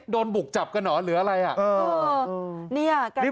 โดนบุกจับกันเหรอหรืออะไรอ่ะ